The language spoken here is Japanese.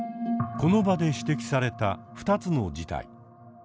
この場で指摘された２つの事態。